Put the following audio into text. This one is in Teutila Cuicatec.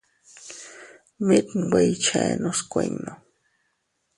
Mit nwe iychennos kuinno.